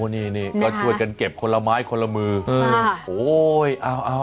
นี่ก็ช่วยกันเก็บคนละไม้คนละมือโอ้ยเอา